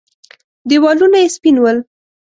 دېوالونه يې سپين ول.